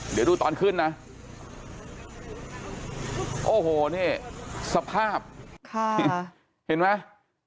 เดี๋ยวดูตอนขึ้นนะโอ้โหนี่สภาพค่ะเห็นไหม